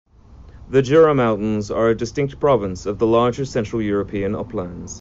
The Jura Mountains are a distinct province of the larger Central European uplands.